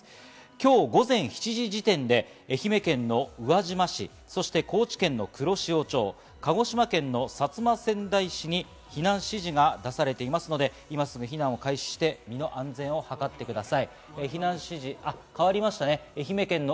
今日午前７時時点で愛媛県の宇和島市、そして高知県の黒潮町、鹿児島県の薩摩川内市に避難指示が出されていますので、今すぐ避難を開始して、身の安全を図ってください。